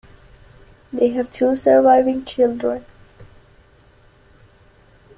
They have two surviving children.